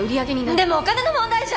でもお金の問題じゃ。